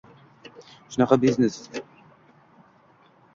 Shunaqa bir biznes.